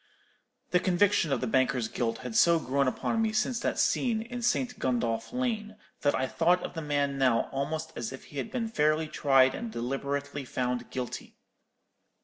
The conviction of the banker's guilt had so grown upon me since that scene in St. Gundolph Lane, that I thought of the man now almost as if he had been fairly tried and deliberately found guilty.